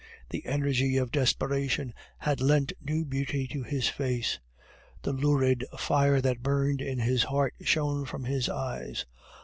The energy of desperation had lent new beauty to his face; the lurid fire that burned in his heart shone from his eyes.